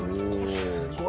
すごい。